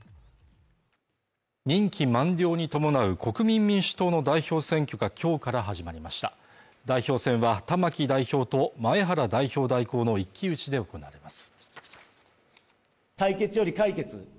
任期満了に伴う国民民主党の代表選挙が今日から始まりました代表選は玉木代表と前原代表代行の一騎打ちで行われます